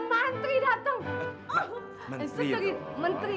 menteri ya maksud ayo menteri